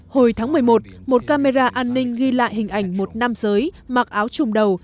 hồi tháng một mươi một một camera an ninh ghi lại hình ảnh một nam giới mặc áo trùm đầu